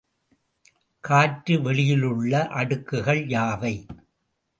காற்று வெளியிலுள்ள அடுக்குகள் யாவை?